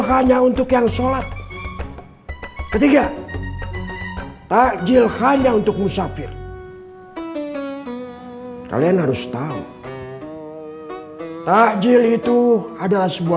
hanya untuk yang sholat ketiga takjil hanya untuk musafir kalian harus tahu takjil itu adalah sebuah